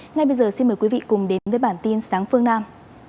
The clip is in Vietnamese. ngay bây giờ xin mời quý vị cùng đến với bản tin sáng phương nam